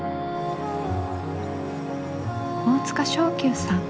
大塚勝久さん。